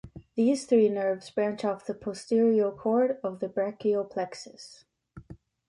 These three nerves branch off the posterior cord of the brachial plexus.